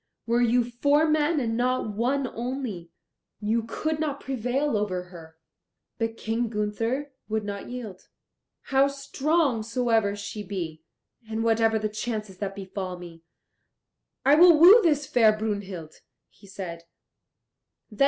Were you four men and not one only, you could not prevail over her." But King Gunther would not yield. "How strong soever she be, and whatever the chances that befall me, I will woo this fair Brunhild," he said.